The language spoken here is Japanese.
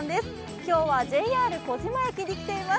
今日はＪＲ児島駅に来ています。